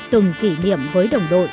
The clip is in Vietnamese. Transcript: từng kỷ niệm với đồng đội